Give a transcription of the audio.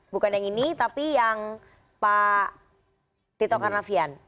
bukan yang ini tapi yang pak tito karnavian